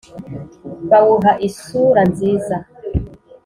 bawuha isura nziza.